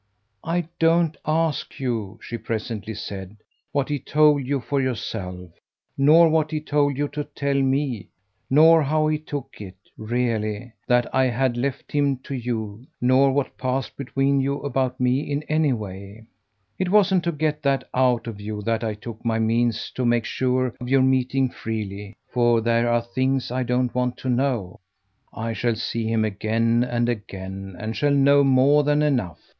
"I don't ask you," she presently said, "what he told you for yourself, nor what he told you to tell me, nor how he took it, really, that I had left him to you, nor what passed between you about me in any way. It wasn't to get that out of you that I took my means to make sure of your meeting freely for there are things I don't want to know. I shall see him again and again and shall know more than enough.